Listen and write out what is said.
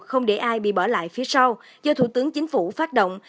không để ai bị bỏ lại phía sau do thủ tướng chính phủ phát động